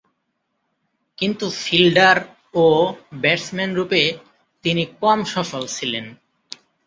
কিন্তু ফিল্ডার ও ব্যাটসম্যানরূপে তিনি কম সফল ছিলেন।